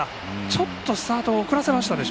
ちょっとスタート遅らせましたか。